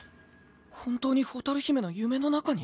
本当に蛍姫の夢の中に？